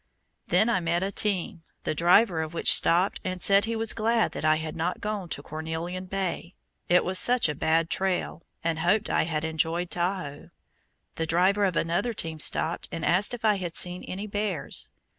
Then I met a team, the driver of which stopped and said he was glad that I had not gone to Cornelian Bay, it was such a bad trail, and hoped I had enjoyed Tahoe. The driver of another team stopped and asked if I had seen any bears.